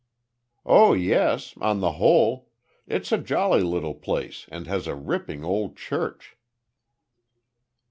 "Oh yes on the whole. It's a jolly little place and has a ripping old church."